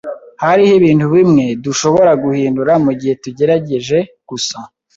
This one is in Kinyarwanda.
Hariho ibintu bimwe dushobora guhindura mugihe tugerageje gusa.